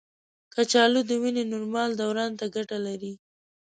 کچالو د وینې نورمال دوران ته ګټه لري.